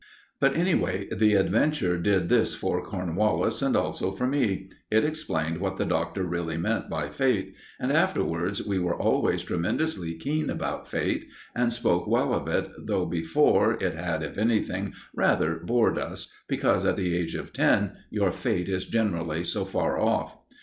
But, anyway, the adventure did this for Cornwallis and also for me it explained what the Doctor really meant by Fate; and afterwards we were always tremendously keen about Fate, and spoke well of it, though before, it had, if anything, rather bored us, because, at the age of ten, your fate is generally so far off.